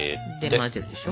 混ぜるでしょ。